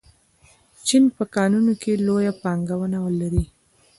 چین په کانونو کې لویه پانګونه لري.